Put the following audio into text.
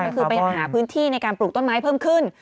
ก็คือไปหาพื้นที่ในการปลูกต้นไม้เพิ่มขึ้น